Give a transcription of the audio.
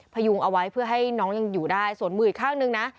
พยุงเอาไว้เพื่อให้น้องยังอยู่ได้ส่วนมืออีกข้างหนึ่งนะ